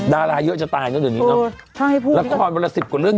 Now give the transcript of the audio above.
ดาราเยอะจะตายเนอะเดือนนี้นะละครวลละ๑๐กว่าเรื่อง๒๐